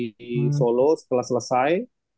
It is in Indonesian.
di solo setelah selesai